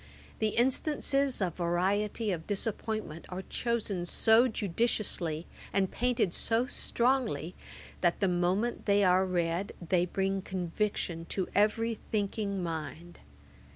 The instances of variety of disappointment are chosen so judiciously and painted so strongly, that, the moment they are read, they bring conviction to every thinking mind.